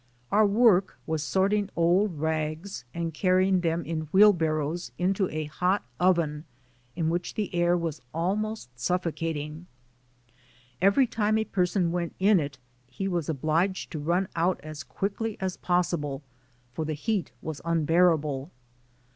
Our work was sorting old rags and carrying them in wheelbarrows into a hot oven, in which the air was almost suffocating. Every time a person went in it he was obliged to run out as quickly as possible, for the heat was un bearable.